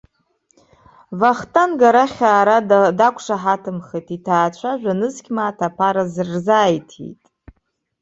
Вахтанг арахь аара дақәшаҳаҭымхеит, иҭаацәа жәа-нызқь мааҭ аԥара рзааиҭиит.